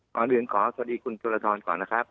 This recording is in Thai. ก่อนอื่นขอสวัสดีคุณจุลทรก่อนนะครับ